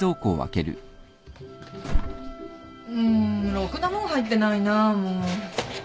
うんろくな物入ってないなもう。